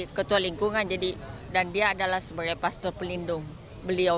agar dekat dengan umat menjadi pribadi berkhidmat yang dipilih untuk melayani bukan untuk dilayani